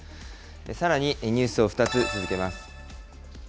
さらにニュースを２つ続けます。